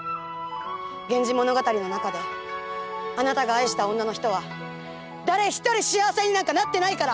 「源氏物語」の中であなたが愛した女の人は誰一人幸せになんかなってないから！